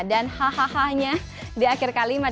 dan hahahanya di akhir kalimat